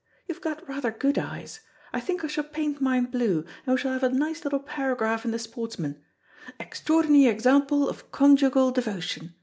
You've got rather good eyes. I think I shall paint mine blue, and we shall have a nice little paragraph in the Sportsman. Extraordinary example of conjugal devotion.